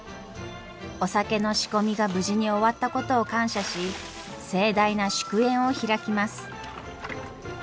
お酒の仕込みが無事に終わったことを感謝し盛大な祝宴を開きます。